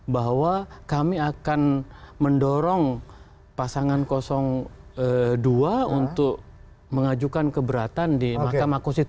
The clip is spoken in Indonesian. bahwa kami akan mendorong pasangan dua untuk mengajukan keberatan di mahkamah konstitusi